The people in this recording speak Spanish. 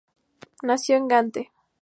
Nació en Gante.